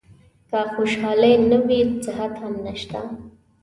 که خوشالي نه وي صحت هم نشته .